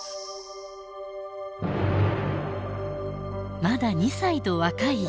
まだ２歳と若いイブ。